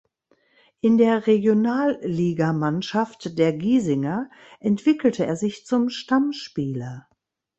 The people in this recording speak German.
In der Regionalligamannschaft der Giesinger entwickelte er sich zum Stammspieler.